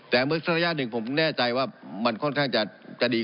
แต่เมื่อศักรญาณหนึ่งผมแน่ใจว่ามันค่อนข้างจะดีขึ้นสถางการณ์